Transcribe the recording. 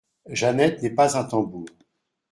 Jeannette n’est pas un tambour.